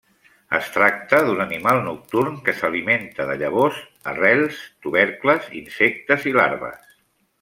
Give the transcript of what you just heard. Es tracta d'un animal nocturn que s'alimenta de llavors, arrels, tubercles, insectes i larves.